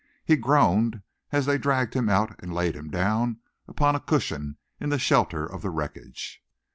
He groaned as they dragged him out and laid him down upon a cushion in the shelter of the wreckage.